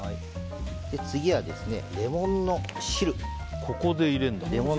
次は、レモンの汁。